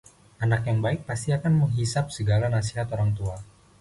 anak yang baik pasti akan menghisab segala nasihat orang tua